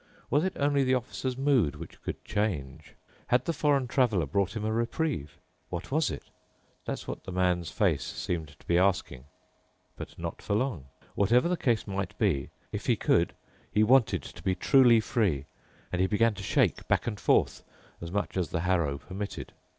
Was it only the Officer's mood, which could change? Had the foreign Traveler brought him a reprieve? What was it? That's what the man's face seemed to be asking. But not for long. Whatever the case might be, if he could he wanted to be truly free, and he began to shake back and forth, as much as the harrow permitted.